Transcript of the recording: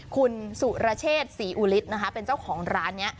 คุณสุรเชษศรีอุฤทธินะคะเป็นเจ้าของร้านนี้